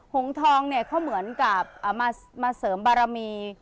หงษ์ทองเขาเหมือนกับมาเสริมบารมี